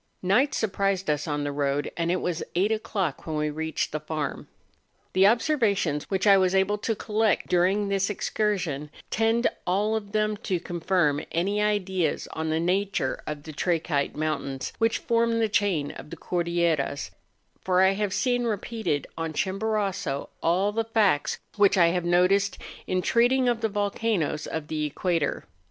Night surprised us on the road; and it was eight o'clock when we reached the farm. The observations which I was able to collect luring this excursion tend all of them to confirm aiy ideas on the nature of the trachyte mountains which form the chain of the Cordilleras ; for I have seen repeated on Chimborazo all the facts which I have noticed in treating of the volcanoes of the equator.